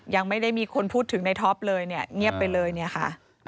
ยังไม่ได้มีคนพูดถึงในท็อปเลยเนี่ยเงียบไปเลยเนี่ยค่ะ